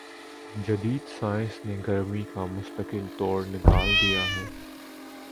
جدید سائنس نے گرمی کا مستقل توڑ نکال دیا ہے